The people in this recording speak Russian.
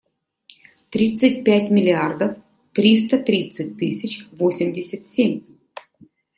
Тридцать пять миллиардов триста тридцать тысяч восемьдесят семь.